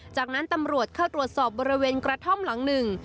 จากนั้นตำรวจเข้าตรวจสอบบริเวณกระท่อมหลังหนึ่ง